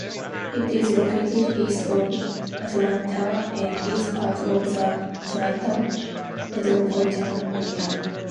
It is located east of Atlanta and is part of the Atlanta metropolitan area.